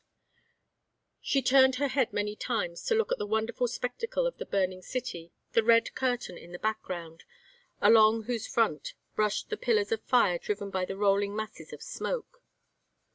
She turned her head many times to look at the wonderful spectacle of the burning city, the red curtain in the background, along whose front rushed the pillars of fire driven by the rolling masses of smoke.